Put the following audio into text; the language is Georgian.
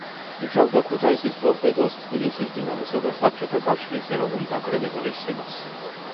იცავდა ქუთაისის „ტორპედოს“, თბილისის „დინამოსა“ და საბჭოთა კავშირის ეროვნული ნაკრების ღირსებას.